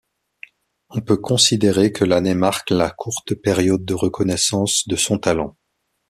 On peut considérer que l'année marque la courte période de reconnaissance de son talent.